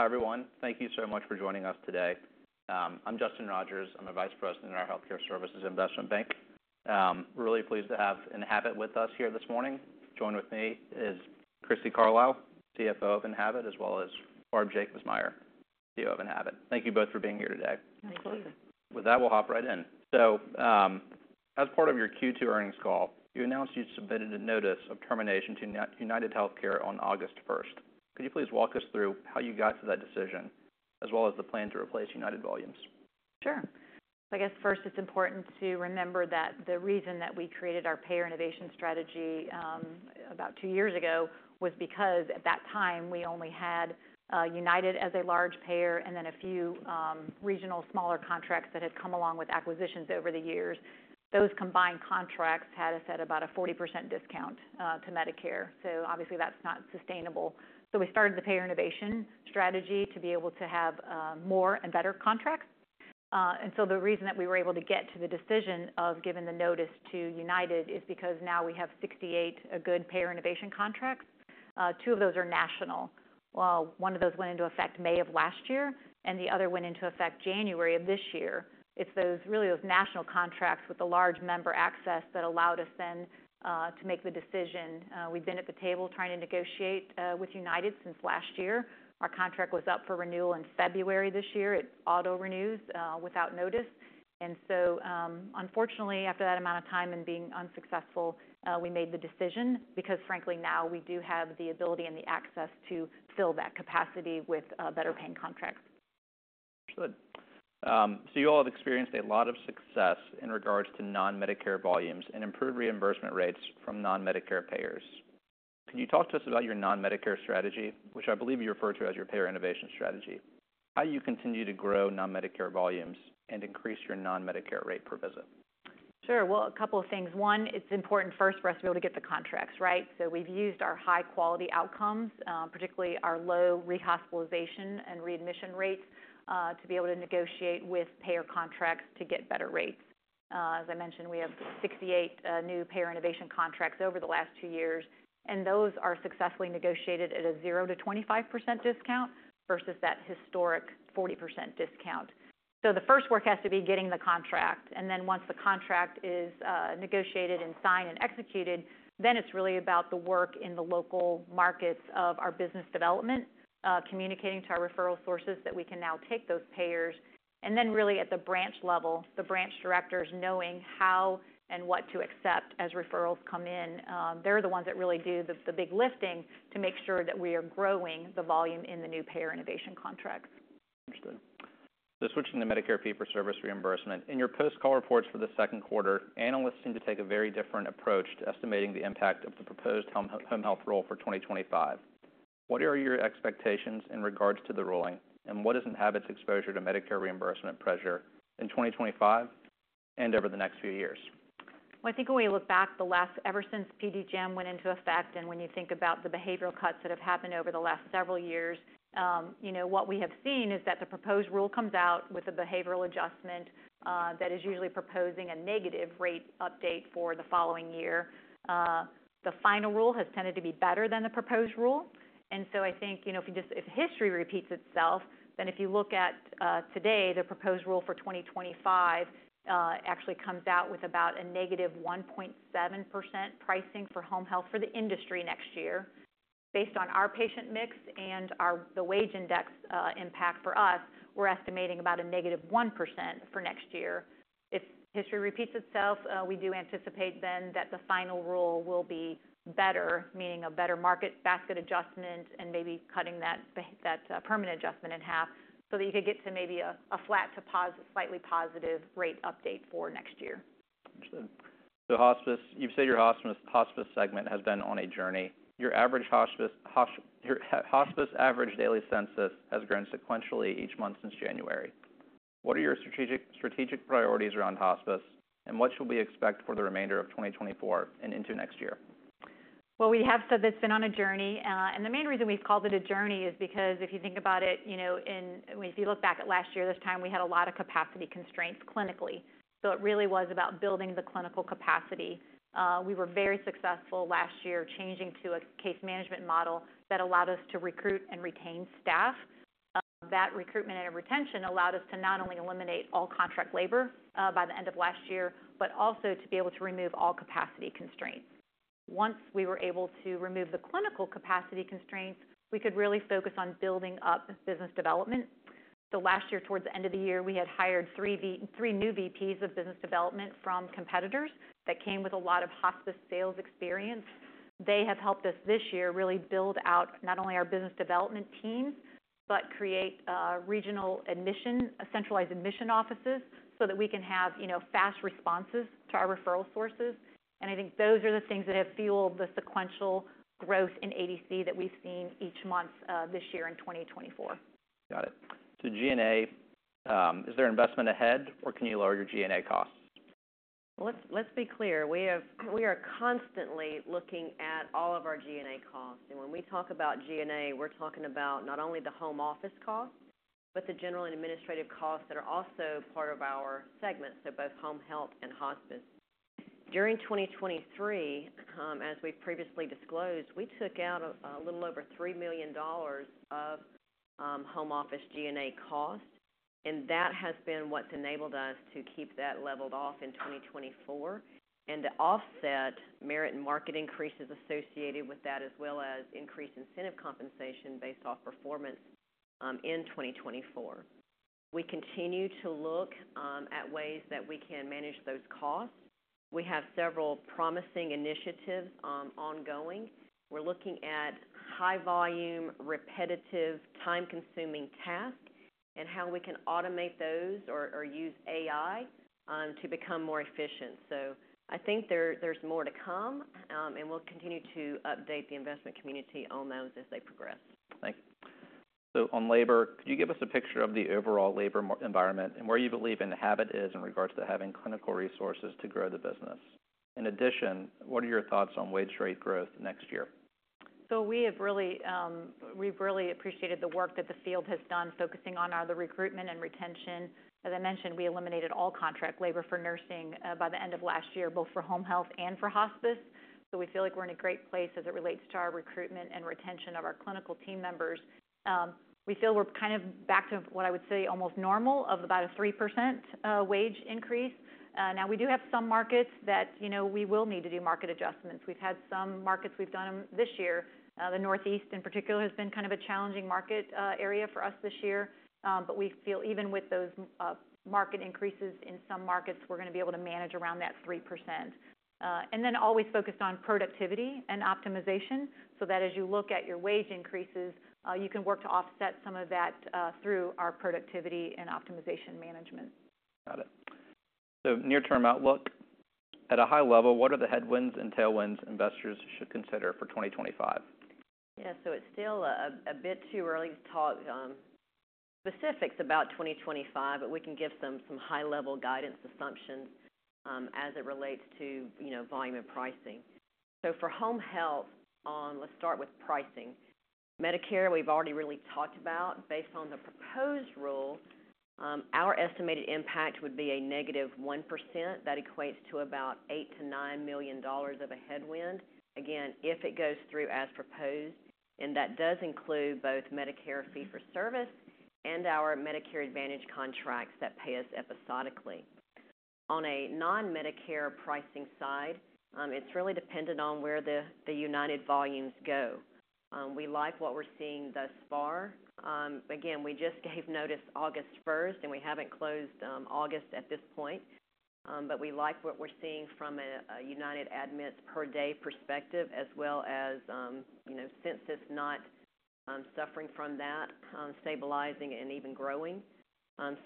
Hi, everyone. Thank you so much for joining us today. I'm Justin Rogers. I'm a vice president in our healthcare services investment bank. Really pleased to have Enhabit with us here this morning. Joined with me is Crissy Carlisle, CFO of Enhabit, as well as Barb Jacobsmeyer, CEO of Enhabit. Thank you both for being here today. Thank you. Absolutely. With that, we'll hop right in. So, as part of your Q2 Earnings Call, you announced you'd submitted a notice of termination to UnitedHealthcare on August first. Could you please walk us through how you got to that decision, as well as the plan to replace United volumes? Sure. I guess first, it's important to remember that the reason that we created our payer innovation strategy about two years ago was because at that time we only had United as a large payer and then a few regional smaller contracts that had come along with acquisitions over the years. Those combined contracts had us at about a 40% discount to Medicare. So obviously that's not sustainable. So we started the payer innovation strategy to be able to have more and better contracts. And so the reason that we were able to get to the decision of giving the notice to United is because now we have 68 good payer innovation contracts. Two of those are national. One of those went into effect May of last year, and the other went into effect January of this year. It's those, really those national contracts with the large member access that allowed us then to make the decision. We've been at the table trying to negotiate with United since last year. Our contract was up for renewal in February this year. It auto-renews without notice, and so, unfortunately, after that amount of time and being unsuccessful, we made the decision, because frankly, now we do have the ability and the access to fill that capacity with better paying contracts. Good. So you all have experienced a lot of success in regards to non-Medicare volumes and improved reimbursement rates from non-Medicare payers. Can you talk to us about your non-Medicare strategy, which I believe you refer to as your payer innovation strategy? How do you continue to grow non-Medicare volumes and increase your non-Medicare rate per visit? Sure. Well, a couple of things. One, it's important first for us to be able to get the contracts, right? So we've used our high-quality outcomes, particularly our low rehospitalization and readmission rates, to be able to negotiate with payer contracts to get better rates. As I mentioned, we have 68 new payer innovation contracts over the last two years, and those are successfully negotiated at a 0-25% discount, versus that historic 40% discount. So the first work has to be getting the contract, and then once the contract is negotiated and signed and executed, then it's really about the work in the local markets of our business development, communicating to our referral sources that we can now take those payers. And then really, at the branch level, the branch directors knowing how and what to accept as referrals come in. They're the ones that really do the big lifting to make sure that we are growing the volume in the new payer innovation contracts. Interesting. So switching to Medicare Fee-for-Service reimbursement, in your post-call reports for the second quarter, analysts seem to take a very different approach to estimating the impact of the proposed home health rule for 2025. What are your expectations in regards to the ruling, and what is Enhabit's exposure to Medicare reimbursement pressure in 2025 and over the next few years? I think when we look back ever since PDGM went into effect, and when you think about the behavioral cuts that have happened over the last several years, you know, what we have seen is that the proposed rule comes out with a behavioral adjustment that is usually proposing a negative rate update for the following year. The final rule has tended to be better than the proposed rule, and so I think, you know, if history repeats itself, then if you look at today, the proposed rule for 2025 actually comes out with about a -1.7% pricing for home health for the industry next year. Based on our patient mix and our wage index impact for us, we're estimating about a -1% for next year. If history repeats itself, we do anticipate then that the final rule will be better, meaning a better market basket adjustment and maybe cutting that permanent adjustment in half, so that you could get to maybe a flat to slightly positive rate update for next year. Understood. So hospice. You've said your hospice segment has been on a journey. Your hospice average daily census has grown sequentially each month since January. What are your strategic priorities around hospice, and what should we expect for the remainder of 2024 and into next year? We have said it's been on a journey, and the main reason we've called it a journey is because if you think about it, you know, if you look back at last year, this time we had a lot of capacity constraints clinically. So it really was about building the clinical capacity. We were very successful last year, changing to a case management model that allowed us to recruit and retain staff. That recruitment and retention allowed us to not only eliminate all contract labor by the end of last year, but also to be able to remove all capacity constraints. Once we were able to remove the clinical capacity constraints, we could really focus on building up business development. So last year, towards the end of the year, we had hired three new VPs of business development from competitors that came with a lot of hospice sales experience. They have helped us this year really build out not only our business development team, but create regional admission, centralized admission offices, so that we can have you know fast responses to our referral sources. And I think those are the things that have fueled the sequential growth in ADC that we've seen each month this year in 2024. Got it. So G&A, is there investment ahead, or can you lower your G&A costs? Let's be clear. We are constantly looking at all of our G&A costs, and when we talk about G&A, we're talking about not only the home office costs, but the general and administrative costs that are also part of our segment, so both home health and hospice. During 2023, as we've previously disclosed, we took out a little over $3 million of home office G&A costs, and that has been what's enabled us to keep that leveled off in 2024, and to offset merit and market increases associated with that, as well as increased incentive compensation based off performance in 2024. We continue to look at ways that we can manage those costs. We have several promising initiatives ongoing. We're looking at high volume, repetitive, time-consuming tasks and how we can automate those or use AI to become more efficient. So I think there's more to come, and we'll continue to update the investment community on those as they progress. Thank you. So on labor, could you give us a picture of the overall labor environment and where you believe Enhabit is in regards to having clinical resources to grow the business? In addition, what are your thoughts on wage rate growth next year? So we have really, we've really appreciated the work that the field has done focusing on either recruitment and retention. As I mentioned, we eliminated all contract labor for nursing by the end of last year, both for home health and for hospice. So we feel like we're in a great place as it relates to our recruitment and retention of our clinical team members. We feel we're kind of back to what I would say, almost normal, of about a 3% wage increase. Now, we do have some markets that, you know, we will need to do market adjustments. We've had some markets, we've done them this year. The Northeast, in particular, has been kind of a challenging market area for us this year. But we feel even with those market increases in some markets, we're gonna be able to manage around that 3%, and then always focused on productivity and optimization, so that as you look at your wage increases, you can work to offset some of that through our productivity and optimization management. Got it. So near-term outlook, at a high level, what are the headwinds and tailwinds investors should consider for 2025? Yeah, so it's still a bit too early to talk specifics about 2025, but we can give them some high-level guidance assumptions as it relates to, you know, volume and pricing. So for home health, let's start with pricing. Medicare, we've already really talked about. Based on the proposed rule, our estimated impact would be a -1%. That equates to about $8 million-$9 million of a headwind. Again, if it goes through as proposed, and that does include both Medicare Fee-For-Service and our Medicare Advantage contracts that pay us episodically. On a non-Medicare pricing side, it's really dependent on where the UnitedHealthcare volumes go. We like what we're seeing thus far. Again, we just gave notice August first, and we haven't closed August at this point. But we like what we're seeing from a United admits per day perspective, as well as, you know, since it's not suffering from that, stabilizing and even growing.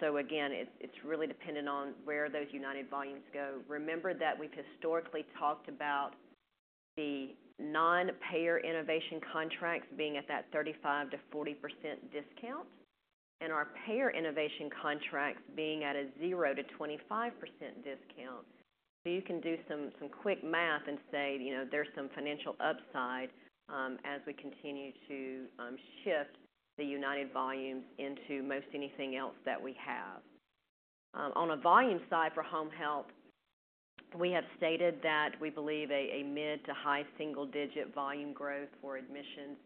So again, it's really dependent on where those United volumes go. Remember that we've historically talked about the non-Payer Innovation contracts being at that 35%-40% discount, and our Payer Innovation contracts being at a 0%-25% discount. So you can do some quick math and say, you know, there's some financial upside, as we continue to shift the United volumes into most anything else that we have. On a volume side for home health, we have stated that we believe a mid to high single digit volume growth for admissions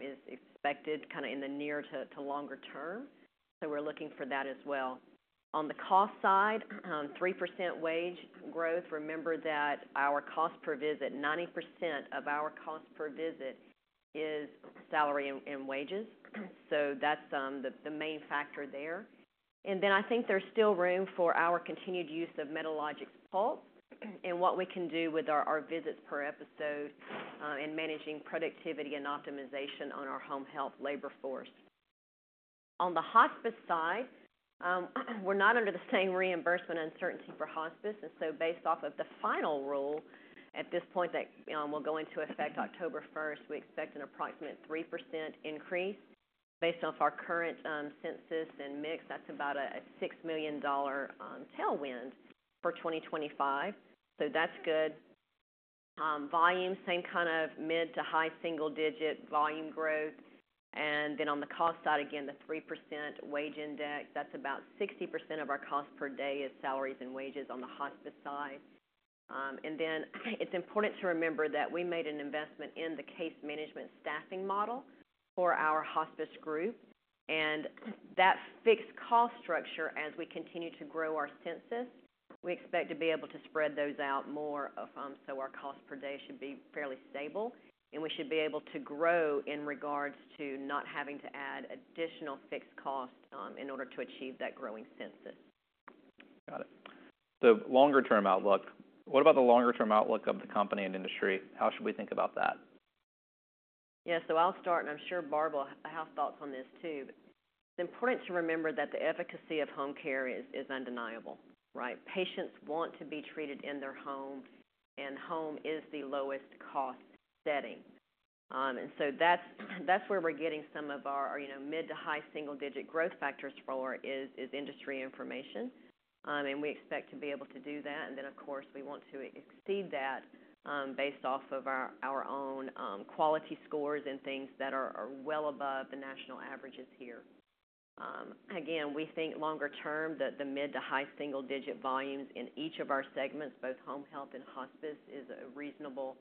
is expected kind of in the near to longer term. So we're looking for that as well. On the cost side, 3% wage growth. Remember that our cost per visit, 90% of our cost per visit is salary and wages. So that's the main factor there. And then I think there's still room for our continued use of Medalogix Pulse, and what we can do with our visits per episode in managing productivity and optimization on our home health labor force. On the hospice side, we're not under the same reimbursement uncertainty for hospice, and so based off of the final rule at this point, that will go into effect October first, we expect an approximate 3% increase. Based off our current census and mix, that's about a $6 million tailwind for 2025. So that's good. Volume, same kind of mid- to high-single-digit volume growth and then on the cost side, again, the 3% wage index, that's about 60% of our cost per day, is salaries and wages on the hospice side, and then it's important to remember that we made an investment in the case management staffing model for our hospice group, and that fixed cost structure as we continue to grow our census, we expect to be able to spread those out more, so our cost per day should be fairly stable, and we should be able to grow in regards to not having to add additional fixed cost in order to achieve that growing census. Got it. So, longer-term outlook. What about the longer-term outlook of the company and industry? How should we think about that? Yeah, so I'll start, and I'm sure Barb has thoughts on this too. It's important to remember that the efficacy of home care is undeniable, right? Patients want to be treated in their homes, and home is the lowest cost setting. And so that's where we're getting some of our, you know, mid to high single-digit growth factors from industry information. And we expect to be able to do that, and then, of course, we want to exceed that, based off of our own quality scores and things that are well above the national averages here. Again, we think longer term that the mid to high single-digit volumes in each of our segments, both home health and hospice, is a reasonable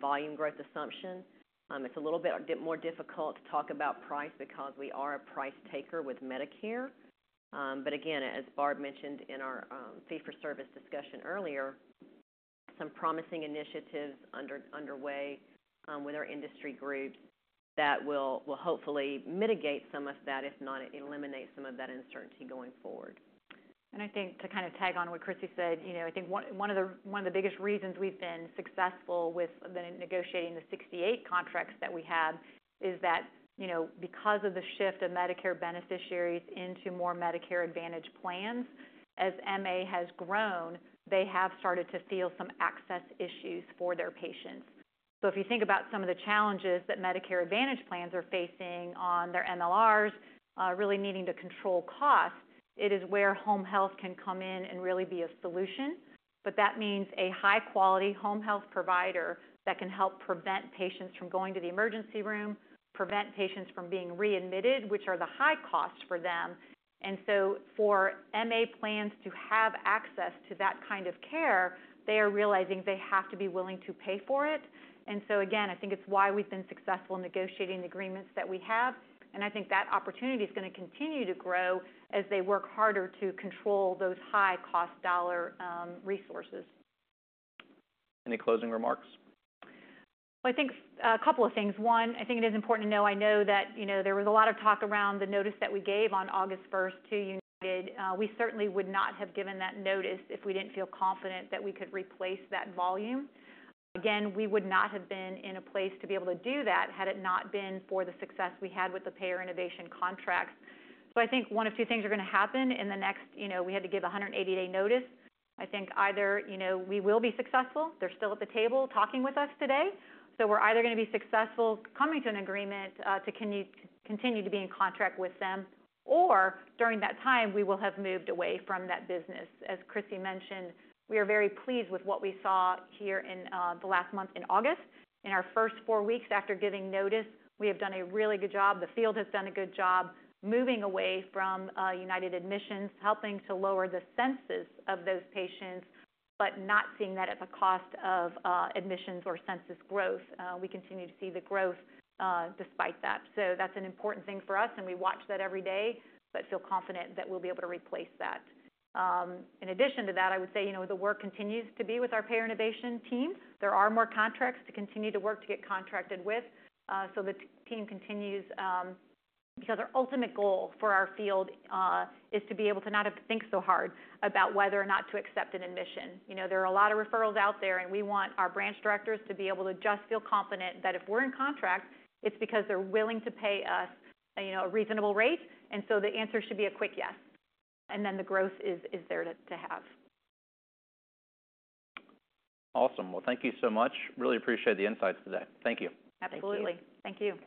volume growth assumption. It's a little bit more difficult to talk about price because we are a price taker with Medicare, but again, as Barb mentioned in our fee-for-service discussion earlier, some promising initiatives underway with our industry groups that will hopefully mitigate some of that, if not eliminate some of that uncertainty going forward. And I think to kind of tack on what Crissy said, you know, I think one of the biggest reasons we've been successful with negotiating the 68 contracts that we have is that, you know, because of the shift of Medicare beneficiaries into more Medicare Advantage plans, as MA has grown, they have started to feel some access issues for their patients. So if you think about some of the challenges that Medicare Advantage plans are facing on their MLRs, really needing to control costs, it is where home health can come in and really be a solution. But that means a high-quality home health provider that can help prevent patients from going to the emergency room, prevent patients from being readmitted, which are the high costs for them. And so for MA plans to have access to that kind of care, they are realizing they have to be willing to pay for it. And so again, I think it's why we've been successful in negotiating the agreements that we have, and I think that opportunity is gonna continue to grow as they work harder to control those high-cost dollar resources. Any closing remarks? I think a couple of things. One, I think it is important to know. I know that, you know, there was a lot of talk around the notice that we gave on 1st August to United. We certainly would not have given that notice if we didn't feel confident that we could replace that volume. Again, we would not have been in a place to be able to do that, had it not been for the success we had with the Payer Innovation contract. So I think one of two things are gonna happen in the next... You know, we had to give a 180 notice. I think either, you know, we will be successful. They're still at the table talking with us today, so we're either gonna be successful coming to an agreement to continue to be in contract with them, or during that time, we will have moved away from that business. As Crissy mentioned, we are very pleased with what we saw here in the last month in August. In our first four weeks after giving notice, we have done a really good job. The field has done a good job moving away from United admissions, helping to lower the census of those patients, but not seeing that at the cost of admissions or census growth. We continue to see the growth despite that. So that's an important thing for us, and we watch that every day, but feel confident that we'll be able to replace that. In addition to that, I would say, you know, the work continues to be with our Payer Innovation team. There are more contracts to continue to work to get contracted with. So the team continues, because their ultimate goal for our field is to be able to not have to think so hard about whether or not to accept an admission. You know, there are a lot of referrals out there, and we want our branch directors to be able to just feel confident that if we're in contract, it's because they're willing to pay us, you know, a reasonable rate, and so the answer should be a quick yes. And then the growth is there to have. Awesome. Well, thank you so much. Really appreciate the insights today. Thank you. Absolutely. Thank you.